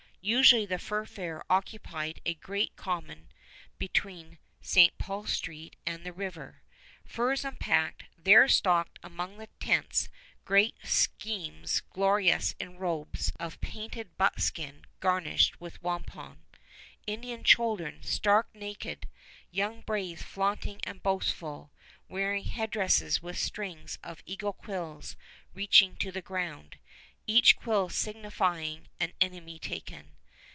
Usually the Fur Fair occupied a great common between St. Paul Street and the river. Furs unpacked, there stalked among the tents great sachems glorious in robes of painted buckskin garnished with wampum, Indian children stark naked, young braves flaunting and boastful, wearing headdresses with strings of eagle quills reaching to the ground, each quill signifying an enemy taken.